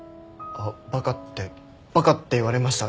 あっバカってバカって言われました。